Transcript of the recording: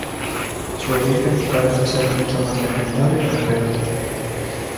Su origen parece ser mucho más legendario que real.